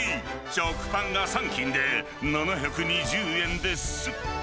食パンが３斤で７２０円です。